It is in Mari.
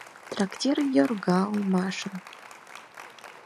Трактир йорга улмашын.